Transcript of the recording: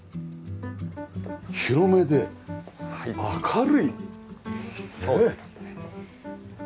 広めで明るいねえ。